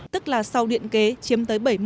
tức là sau điện kế chiếm tới bảy mươi tám mươi